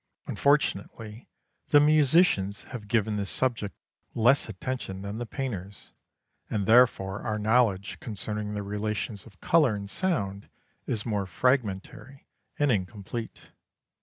Unfortunately, the musicians have given this subject less attention than the painters, and therefore our knowledge concerning the relations of colour and sound is more fragmentary and incomplete.